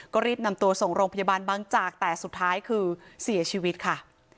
ก็รีบนำตัวส่งโรงพยาบาลบางจากแต่สุดท้ายคือเสียชีวิตค่ะ